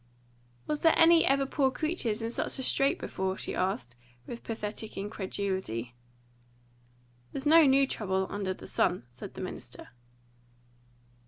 "Was there ever any poor creatures in such a strait before?" she asked, with pathetic incredulity. "There's no new trouble under the sun," said the minister.